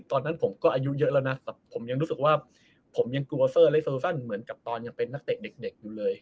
ตอนนั้นผมก็อายุเยอะแล้วนะแต่ผมยังรู้สึกว่าผมยังกลัวเซอร์เล็กโซซันเหมือนกับตอนยังเป็นนักเตะเด็กอยู่เลย